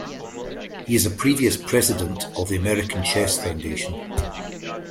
He is a previous President of the American Chess Foundation.